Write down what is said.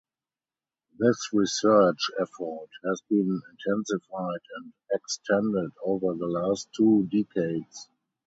This research effort has been intensified and extended over the last two decades.